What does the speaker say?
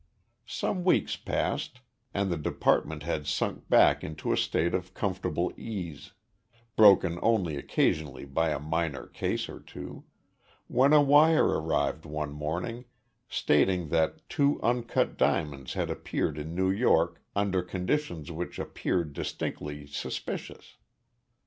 Some weeks passed and the department had sunk back into a state of comfortable ease broken only occasionally by a minor case or two when a wire arrived one morning stating that two uncut diamonds had appeared in New York under conditions which appeared distinctly suspicious.